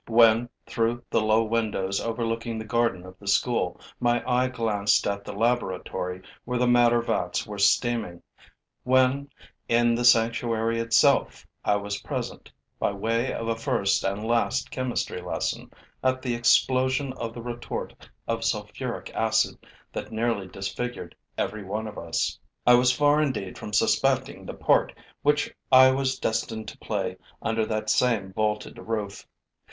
When, through the low windows overlooking the garden of the school, my eye glanced at the laboratory, where the madder vats were steaming; when, in the sanctuary itself, I was present, by way of a first and last chemistry lesson, at the explosion of the retort of sulfuric acid that nearly disfigured every one of us, I was far indeed from suspecting the part which I was destined to play under that same vaulted roof.